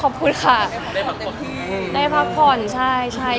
อ๋อขอบคุณค่ะได้พักผ่อนได้พักผ่อนใช่ใช่